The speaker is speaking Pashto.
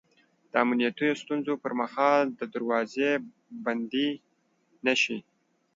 د امنیتي ستونزو پر مهال دروازې بندې نه شي